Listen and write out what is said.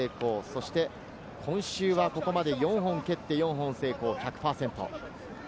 そして今週はここまで４本蹴って、４本成功、１００％。